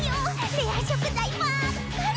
レア食材ばっかり！